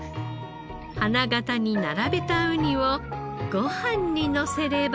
花形に並べたウニをご飯にのせれば。